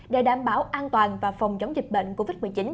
để đảm bảo an toàn và phòng chống dịch bệnh covid một mươi chín